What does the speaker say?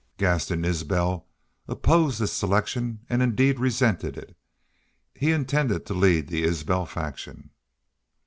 Gaston Isbel opposed this selection and indeed resented it. He intended to lead the Isbel faction.